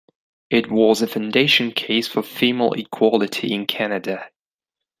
It was a foundation case for female equality in Canada.